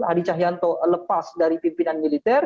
adi cahyanto lepas dari pimpinan militer